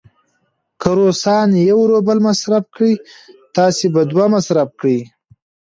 که روسان یو روبل مصرف کړي، تاسې به دوه مصرف کړئ.